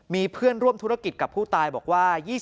มีเพื่อนร่วมธุรกิจกับผู้ตายบอกว่า